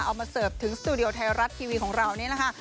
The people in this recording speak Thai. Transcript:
เอามาเสิร์ฟถึงสตูดิโอไทยรัสท์ทีวีของเรานี่นะคะ